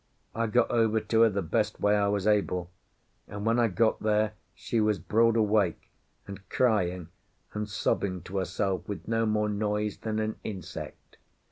I got over to her the best way I was able, and when I got there she was broad awake, and crying and sobbing to herself with no more noise than an insect.